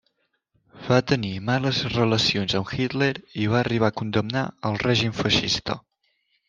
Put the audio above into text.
Va tenir males relacions amb Hitler i va arribar a condemnar el règim feixista.